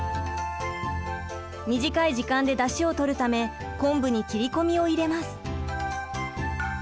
短い時間でだしをとるため昆布に切り込みを入れます。